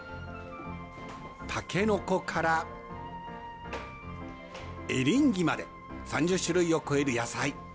タケノコからエリンギまで、３０種類を超える野菜。